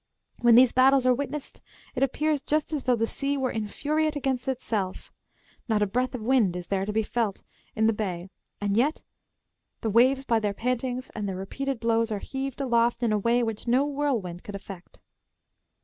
When these battles are witnessed, it appears just as though the sea were infuriate against itself ; not a breath of wind is there to be felt in the bay, and yet the waves by their pantings and their repeated blows are heaved aloft in a way which no whirl wind could effect.